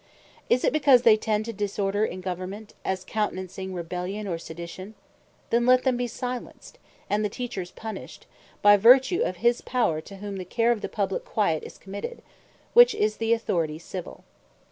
Is it because they tend to disorder in Government, as countenancing Rebellion, or Sedition? then let them be silenced, and the Teachers punished by vertue of his power to whom the care of the Publique quiet is committed; which is the Authority Civill.